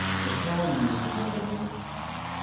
A calendar is available.